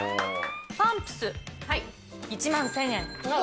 パンプス１万１０００円。